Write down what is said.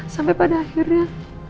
sampai pada akhirnya